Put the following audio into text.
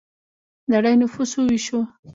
نړۍ نفوس وویشو.